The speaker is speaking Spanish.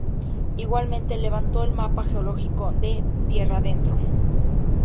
Igualmente levantó el mapa geológico de Tierradentro.